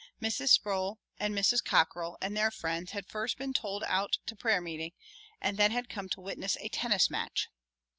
Mrs. Sproul and Mrs. Cockrell and their friends had first been tolled out to prayer meeting and then had come to witness a tennis match.